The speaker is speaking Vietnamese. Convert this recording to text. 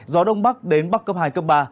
gió đông bắc đến bắc cấp hai cấp ba